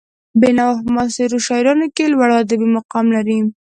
بېنوا په معاصرو شاعرانو کې لوړ ادبي مقام لري.